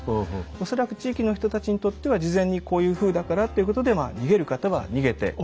恐らく地域の人たちにとっては事前にこういうふうだからっていうことで逃げる方は逃げて。